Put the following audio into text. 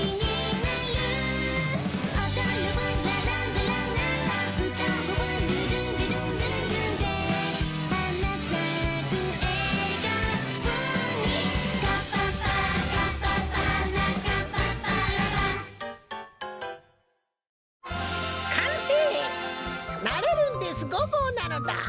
「なれるんです５ごう」なのだ！